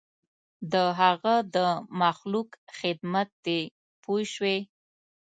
د هغه د مخلوق خدمت دی پوه شوې!.